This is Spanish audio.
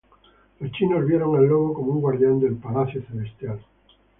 Los chinos vieron al lobo como un guardián del palacio celestial.